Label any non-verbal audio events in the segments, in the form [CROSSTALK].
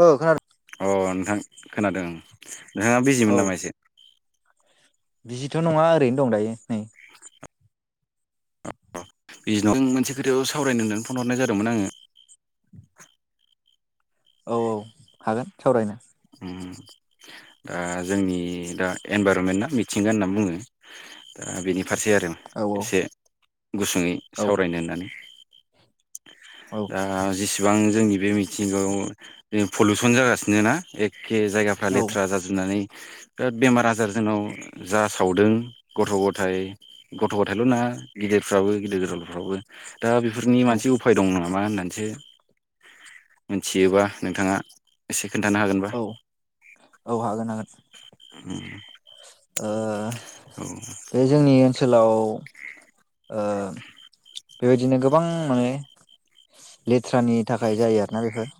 ओ खोनादों अ नोंथां खोनादों। नोंथाङा बिजिमोन औ नामा एसे। बिजिथ' नङा ओरैनो दं दायो नै। बिजि नंङाबा मोनसे खोथाखौ सावरायनो होननानै फन हरनाय जादोंमोन आङो। औ औ हागोन सावरायनो। दा जोंनि दा एनभाइरमेन्टआ मिथिंगा होनना बुङो दा बेनि खारसै आरो औ एसे गुसुङै औ सावरायनो होननानै। औ दा जेसेबां जोंनि बे मिथिंगायाव जे पलुसन जागासिनो ना [UNINTELLIGIBLE] एखे जायगाफ्रा औ लेथ्रा जाजोबनानै बेमार आजार जोंनाव जा सावदों गथ' गथाय गथ' गथायल' नंङा गिदिरफ्राबो गिदिर गिदिरफ्राबो दा बेफोरनि औ मोनसे उफाय दं नामा। मा होननासो मिथियोबा नोंथाङा एसे खोन औ औ हागोन हागोन। [UNINTELLIGIBLE] ओ औ बे जोंनि ओनसो सोलाव ओ बेबायदिनो गोबां माने लेथ्रानि थाखाय जायो आरोना बेफोर।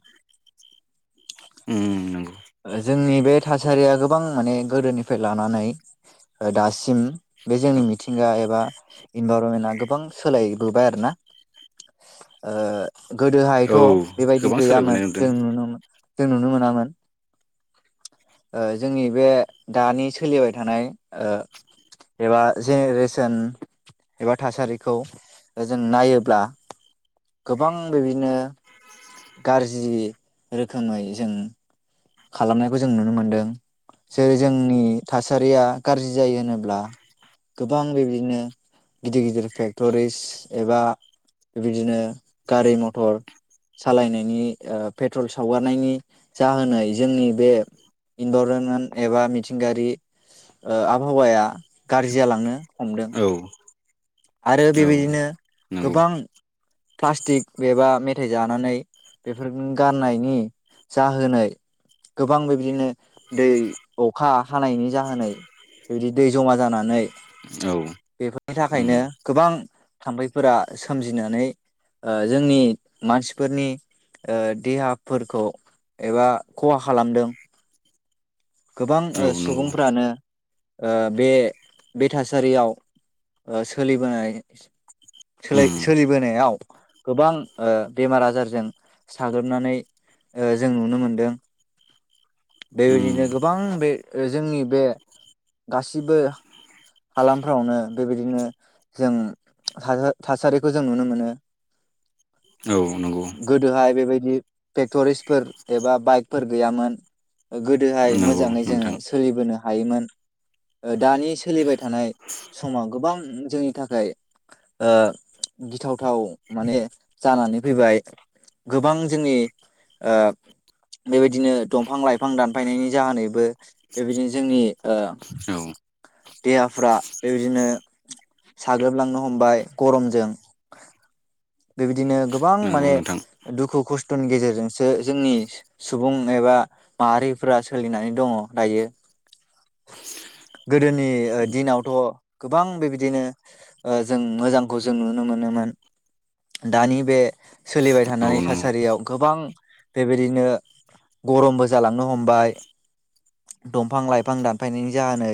उम नंगौ। जोंनि बे थासारिया गोबां माने गोदोनिफ्राय लानानै ओ दासिम बे जोंनि मिथिंगा एबा इनभाइरनमेन्टआ गोबां सोलायबोबाय आरोना ओ औ गोदोहायथ' बेबायदि गोबां सोलायबोनाय गैयामोन नुदों जों नुनो नुनो मोनामोन। ओ जोंनि बे दानि सोलिबाय थानाय ओ एबा जेनेरेसन एबा थासारिखौ जों नायोब्ला गोबां बिदिनो गाज्रि रोखोमै जों खालामनायखौ जों नुनो मोनदों जेरै जोंनि थासारिया गारज्रि जायो होनोब्ला गोबां बेबायदिनो गिदिर गिदिर फेक्टरिस एबा बेबायदिनो गारि मथर सालायनायनि ओ पेट्रल सावगारनायनि जाहोनै जोंनि बे इनभरनमेन्ट एबा मिथिंगायारि ओ आबहावाया गारजि जालाङो। हमदों। औ आरो औ बेबायदिनो नंगौ गोबां प्लास्टिक एबा मेथाइ जानानै बेफोर गारनायनि जाहोनै गोबां बेदिनो दै अखा हानायनि जाहोनै बेबायदि दै जमा जानानै औ बेफोरनि थाखायनो गोबां थाम्फैफोरा सोमजिनानै ओ जोंनि मानसिफोरनि ओ देहाफोरखौ एबा खहा खालामदों। गोबां ओ औ नंगौ सुबुंफ्रानो ओ बे बे थासारियाव ओ सोलिबोनाय बोलाय सोलिबोनायाव गोबां ओ बेमार आजारजों साग्लोबनानै ओ जों नुनो मोनदों बेबायदिनो गोबां बे ओ जोंनि बे गासिबो हालामफ्रावनो बेबायदिनो जों थासा थासारिखौ जों नुनो मोनो। औ नंगौ गोदोहाय बेबायदि पेक्टरिस्टफोर एबा बाइकफोर गैयामोन गोदोहाय मो नंगौ मोजाङै जोंङो नोंथां सोलिबोनो हायोमोन दानि सोलिबाय थानाय समाव गोबां जोंनि थाखाय ओ गिथावथाव माने जानानै फैबाय गोबां जोंनि ओ बेबायदिनो दंफां लाइफां दानफायनायनि जाहोनै बो बेबायदिनो जोंनि ओ औ देहाफ्रा बेबायदिनो साग्लोबलांनो हमबाय गरमजों बेबायदिनो गोबां नंगौ माने नोंथां दुखु खस्थ'नि गेजेरजोंसो जोंनि सुबुं एबा माहारिफ्रा सोलिनानै दङ दायो गोदोनि दिनावथ' गोबां बेबायदिनो ओ जों मोजांखौ जों नुनो मोनोमोन दानि बे सोलिबाय औ थानाय नंगौ थासारियाव गोबां बेबायदिनो गरमबो जालांनो हमबाय। दंफां लाइफां दानफायनायनि जाहोनै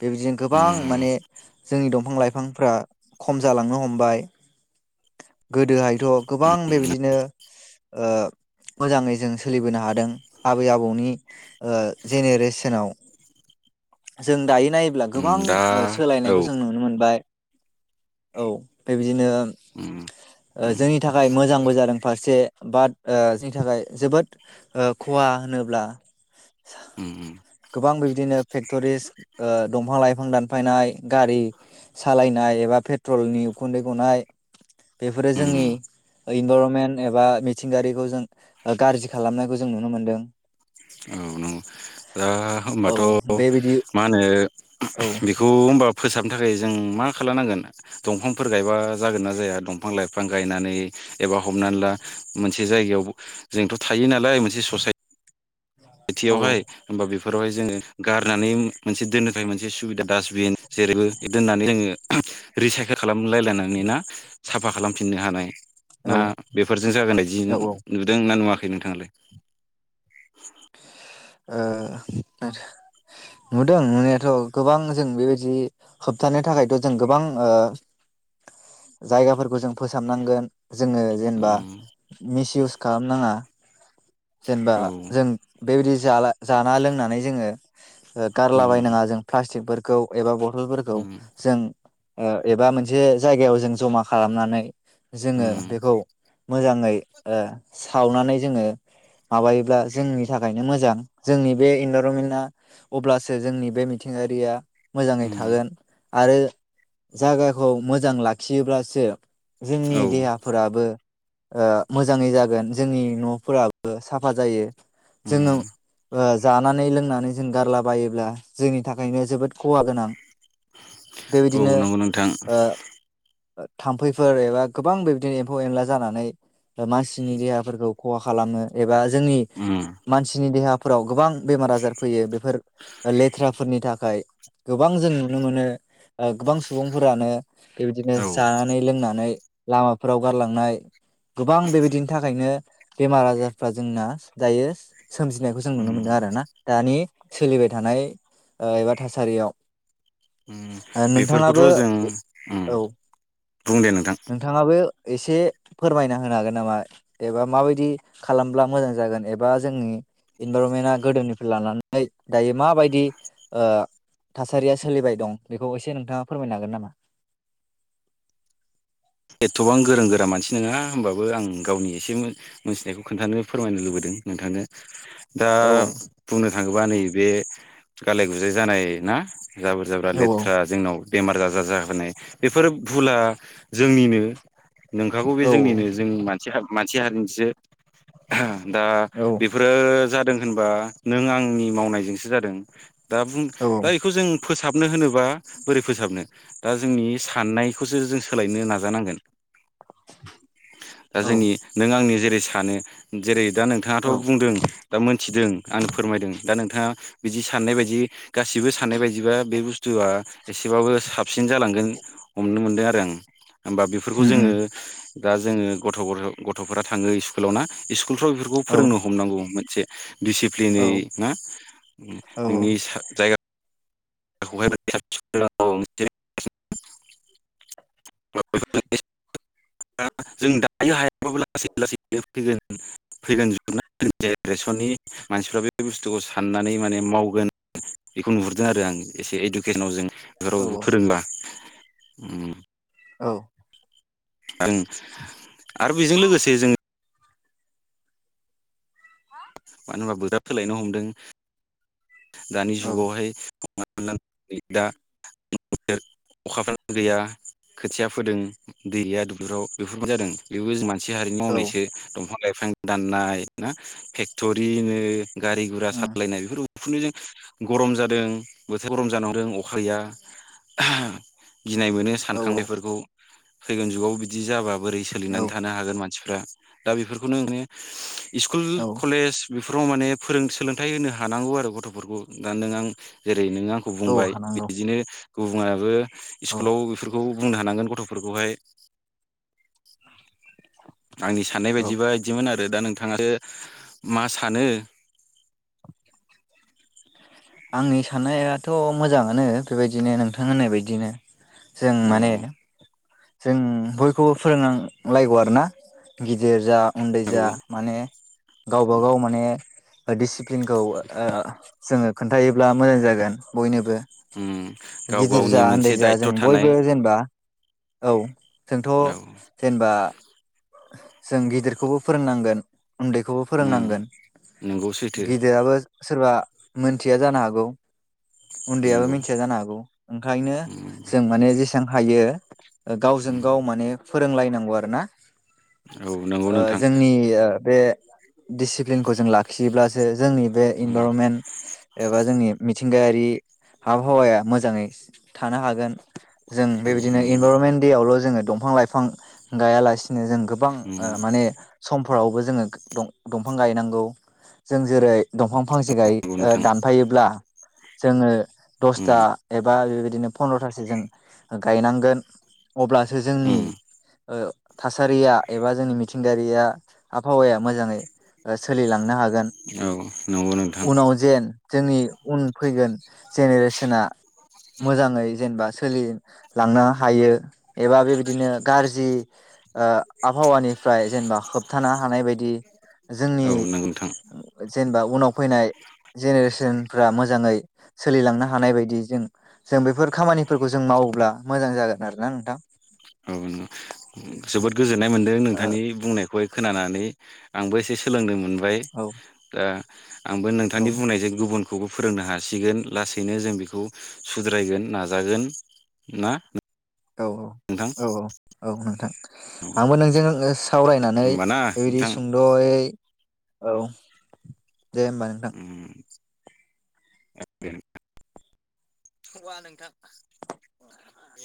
बेबायदिनो गोबां माने जोंनि दंफां लाइफांफ्रा खम जालांनो हमबाय गोदोहायथ' गोबां बेबायदिनो ओ मोजाङै जों सोलिबोनो हादों आबै आबौनि ओ जेनेरेसनाव जों दायो नायोब्ला गोबां दा ओ औ सोलायनायखौ जों नुनो मोनबाय औ बेबायदिनो जोंनि थाखाय मोजांबो जादों फारसे बाट जोंनि थाखाय जोबोद ओ खहा होनोब्ला गोबां बिबादिनो फेक्टरिस ओ दंफां लाइफां दानफायनाय गारि सालायनाय एबा पेट्रलनि उखुन्दै गनाय बेफोरो जोंनि इनभारनमेन्ट एबा मिथिंगायारिखौ जों गाज्रि खालामनायखौ जों नुनो मोनदों। औ नंगौ दा औ होमबाथ' बेबायदि मा होनो औ बिखौ होमबा फोसाबनो थाखाय जों मा खालामनांगोन दंफांफोर गायबा जागोन ना जाया दंफां लाइफां गायनानै एबा हमनानै ला मोन से जायगायाव जोंथ' थायो नालाय मोनसे ससायट औ थियावहाय होमबा बेफो फोरावहाय जोंङो गारनानै उम मोनसे दोननो थाखाय मोनसे सुबिदा डास्टबिन जेरैबो दोननानै जोङो रिसाइकेल खालामलायलायनानै ना साफा खालामफिननो हानाय। ना औ बेफोरजों जागोनबायदि औ ओ नुदों ना नुवा खै नोंथांङालाय? ओ [UNINTELLIGIBLE] नुदों नुनायाथ' गोबां जों बेबायदि होबथानो थाखायथ' जों गोबां ओ जायगाफोरखौ जों फोसाबनांगोन। जोङो जेनेबा उम मिस इउस कामनाङा। जेनेबा औ जों बेबादि जाला जाना लोंनानै जोङो ओ उम गारलाबायनाङा जों प्लास्टिक फोर कौ एबा ब थलफोरखौ उम जों ओ एबा मोनसे जायगायाव जों जमा खालामनानै जोङो उम बेखौ मोजाङै ओ सावनानै जोङो माबायोब्ला जोंनि थाखायनो मोजां। जोंनि बे इन [UNINTELLIGIBLE] अब्लासो जोंनि बे मिथिंगारिया मोजाङै उम थागोन आरो जागाखौ मोजां लाखियोब्लासो जोंनि औ देहाफोराबो ओ मोजाङै जागोन जोंनि न'फोराबो साफा जायो उम जोङो ओ जानानै लोंनानै जों गारलाबायोब्ला जोंनि थाखायनो जोबोद खहा गोनां। औ बेबायदिनो नोंगौ नोंथां। ओ थाम्फैफोर एबा गोबां बेबदिनो एम्फौ एनला जानानै ओ मानसिनि देहाफोरखौ खहा खालामो एबा जोंनि उम मानसिनि देहा फोराव गोबां बेमार आजार फैयो बेफोर लेथ्राफोरनि थाखाय गोबां जों नुनो मोनो ओ गोबां सुबुंफोरानो बेबायदिनो औ जानानै लोंनानै लामाफोराव गारलांनाय गोबां बेबायदिनि थाखायनो बेमार आजारफ्रा जोंना दायो सोमजि नायखौ जों नुनो मोनदों उम आरो ना दानि सोलिबाय थानाय ओ एबा थासारियाव। उम ओ नोंथाङाबो बेफोरखौथ' जों उम औ। बुं दे नोंथां। नोंथाङाबो एसे फोरमायना होनो हागोन नामा एबा माबायदि खालामब्ला मोजां जागोन एबा जोंनि इनभरनमेन्टआ गोदोनिफ्राय लानानै दायो माबायदि ओ थासारिया सोलिबाय दं बेखौ एसे नोंथाङा फोरमायनो हागोन नामा? एथ'बां गोरों गोरा मानसि नोङा होमबाबो आं गावनि एसे मो मिथिनायखौ खोन्थानो फोरमायनो लुबैदों नोंथांनो‌। दा औ बुंनो थाङोबा नैबे गालाय गुजाय जानाय ना? जाबोर जाब्रा औ लेथ्रा जोंनाव। बेमार आजार जाहोनाय बेफोर भुला जोंनिनो। नोंखागौ बे औ जोंनिनो जों मान सि हाब मानसि हारिनिसो। दा औ बेफोरो जा दों होनबा नों आंनि मावनायजोंसो जादों। दा बुं औ ओइ इखौ जों। फोसाबनो होनोबा बोरै फोसाबनो दा जोंनि साननायखौसो जों सोलायनो नाजानांगोन। दा औ जोंनि नों आंनि जे जे सानो जेरै दा नोंथाङाथ' औ बुंदों दा मोन्थिदों आंनो फोरमायदों। दा नोंथाङा बिदि साननाय बायदि गासिबो साननाय बायदिबा बे बुस्थुआ एसेबाबो साब सिन जालांगोन हमनो मोनदों आ जों होमबा बेफोरखौ जोङो दा जोङो गथ' गथ 'गथ'फोरा थाङो स्कुलाव ना सु कुलफ्राव बेफोरखौ फोरोंनो हमनांगौ मोनसे। दिसिप्लिनै ना औ नोंनि सा जायगा [UNINTELLIGIBLE] दा जों दायो हायाबाबो लासै लासै फैगोन फैगोन [UNINTELLIGIBLE] जनानै जेनेरेसननि मानसिफ्रा बे बुस्थुखौ साननानै माने मावगोन बेखौ नुहुरदों आरो आं एसे इडुकेसनाव जों औ फोराव बेखौ औ फोरोंबा। ओम। औ। आं आरो बेजों लोगोसे जों मानो होनबा बोदाब सोलायनो हमदों। दानि औ जुगावहाय [UNINTELLIGIBLE] दा अखाफ्रानो गैया खोथिया फोदों दै गैया दुब्लिाव बेफोरबो जादों बेबो जों मान से हारिनि औ मावनायसो दंफां लाय बिफां दाननाय ना फेक्ट'रिनो गारि गुरा उम सालायनाय बेफोर उखुन्दैजों गरम जादों बोथोर गरम जानांदों अखा गैया गिनाय मोनो औ औ सानखांनायफोरखौ फैगोन जुगावबो बिदि जाबा बोरै औ सोलिनानै थानो हागोन मानसि फोरा दा बेफोरखौनो माने स्कुल औ कलेज बेफोराव माने फोरों सोलोंथाइ होनो हानांगौ आरो गथ'फोरखौ दा नों आं जेन ओरै नोङो आंखौ औ बुंबाय हानांगौ बिदिनो गुबुङाबो औ स्कुलाव बेफोरखौ बुंनो हानांगोन गथ'फोरखौहाय आंनि साननाय औ बायदिबा बिदिमोन आरो। आरो दा नोंथाङासो मा सानो? आंनि साननायाथ' मोजाङानो बेबायदिनो नोंथां होननाय बायदिनो। जों माने औ जों बयखौबो फोरोंनांलायगौ आरोना गिदिर जा उन्दै औ जा माने गावबागाव माने दिडिसिप्लिनखौ ओ जोङो खोन्थायोब्ला मोजां जागोन बयनोबो उम गाव गिदिर गावनि जा मोनसे उन्दै जा जों दायथ' थानाय बयबो जेनेबा औ। जोंथ' औ जेनेबा जों गिदिरखौबो फोरोंनांगोन उन्दैखौबो उम फोरोंनांगोन नंगौ सैथो गिदिराबो सोरबा मोनथिया जानो हागौ। उन्दैयाबो नंगौ मिथिया जानो हागौ ओंखायनो उम जों माने जेसे सां हायो गावजों उम गाव माने फोरोंलायनांगौ आरो ना। औ नंगौ ओ नोंथां जोंनि ओ बे दिसिप्लिनखौ जों लाखियोब्लासो जोंनि बे उम इनभारनमेन्ट एबा जोंनि मि मिथिंगायारि आबहावाया मोजाङै थानो हागोन। जों औ बेबायदिनो नंगौ इनभारनमेन्ट दे आवल' जोङो दं फां लाइफां गायालासि जों गोबां उम ओ नंगौ माने सम फोरावबो जोङो दं-दंफां गायनांगौ जों जेरै दंफां फांसेगाय नोंथां दानफायोब्ला। जोङो दस्ता उम एबा बेबाय बिदिनो फन्द्रथासो जों गायनांगोन। अब्लासो जोंनि उम ओ थासारिया एबा जोंनि मिथिंगायारिया आबहावाया मोजाङै ओ सोलिलांनो हागोन औ नंगौ नोंथां उनाव जेन जोंनि उन फैगोन जेनेरेसना मोजाङै जेनेबा सोलिलांनो हायो एबा बेबायदिनो गारजि ओ आबहावानिफ्राय जेनेबा होबथानो हानाय बायदि जोंनि औ नंगौ नोंथां जेनेबा उनाव फैनाय जेनेरेसनफ्रा मोजाङै सोलिलांनो हानाय बायदि जों जों बेफोर खामानिफोरखौ जों मावोब्ला मोजां जागोन आरोना नोंथां। औ नंगो जोबोद गोजोननाय मोनदों ओ नोंथांनि बुंनाय खौहाय खोनानानै आंबो एसे सोलोंनो मोन बाय औ आ आंबो औ नोंथांनि बुंनायजों गुबुन खौबो फोरोंनो हासिगोन लासैनो जों बेखौ सुद्रायगोन नाजागोन ना। औ नोंथां औ औ औ औ नोंथां औ आंबो नोंजों सावरायनानै होमबाना बेबायदि नोंथां सुंद'यै औ दे होमबा नोंथां। [UNINTELLIGIBLE]